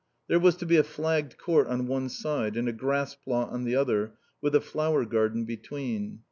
There was to be a flagged court on one side and a grass plot on the other, with a flower garden between.